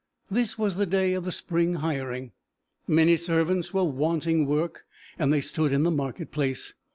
This was the day of the spring hiring. Many servants were wanting work, and they stood in the market place.